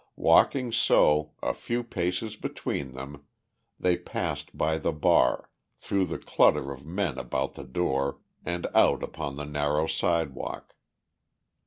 Walking so, a few paces between them, they passed by the bar, through the clutter of men about the door and out upon the narrow sidewalk.